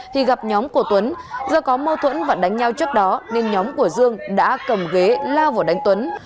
thì gặp nhóm của tuấn do có mâu thuẫn và đánh nhau trước đó nên nhóm của dương đã cầm ghế lao vào đánh tuấn